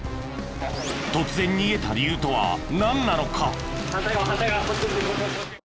突然逃げた理由とはなんなのか？